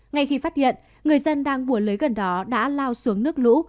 ngay khi phát hiện người dân đang bùa lưới gần đó đã lao xuống nước lũ